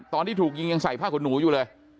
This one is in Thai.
ตอนที่ถูกยิงยังใส่ผ้าขนหนูอยู่เลย